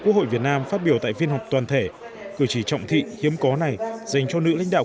quốc hội việt nam phát biểu tại phiên họp toàn thể cử chỉ trọng thị hiếm có này dành cho nữ lãnh đạo